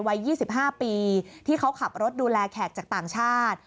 วัย๒๕ปีที่เขาขับรถดูแลแขกจากต่างชาติ